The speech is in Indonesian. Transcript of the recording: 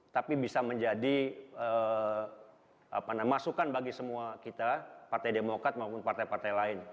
tapi bisa menjadi masukan bagi semua kita partai demokrat maupun partai partai lain